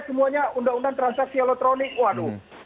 semuanya undang undang transaksi elektronik waduh